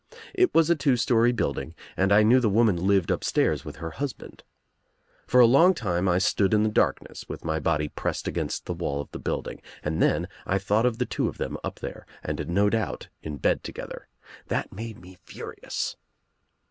It was a two story building, and I knew the Lifoman lived upstairs with her husband. For a long I time I stood in the darkness with my body pressed against the wall of the building, and then I thought of the two of them up there and no doubt In bed together. That made me furious.